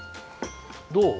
どう？